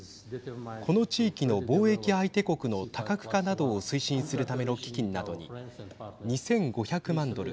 この地域の貿易相手国の多角化などを推進するための基金などに２５００万ドル